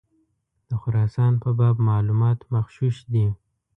د خراسان په باب معلومات مغشوش دي.